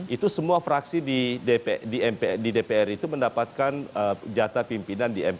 itu semua fraksi di dpr itu mendapatkan jasa pimpinan